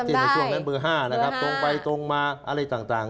ในช่วงนั้นเบอร์๕นะครับตรงไปตรงมาอะไรต่าง